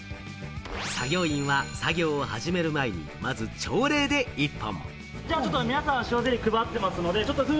作業員は作業を始める前にまず朝礼で１本。